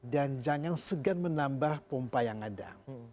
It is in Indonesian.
dan jangan segan menambah pompa yang ada